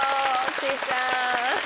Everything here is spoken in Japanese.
しちゃん。